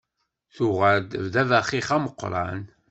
Tuɣal d abaxix ameqqran.